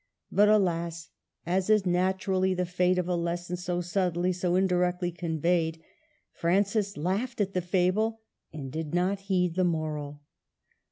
But alas ! as is naturally the fate of a lesson so subtly', so indirectly conveyed, Francis laughed at the fable, and did not heed the moral.